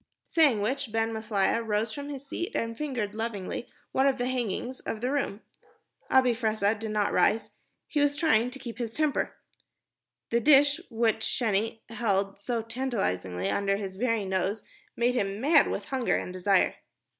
Saying which, Ben Maslia rose from his seat and fingered lovingly one of the hangings of the room. Abi Fressah did not rise. He was trying to keep his temper. The dish which Sheni held so tantalizingly under his very nose made him mad with hunger and desire.